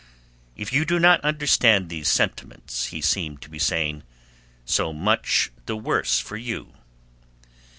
"If you do not understand these sentiments," he seemed to be saying, "so much the worse for you!"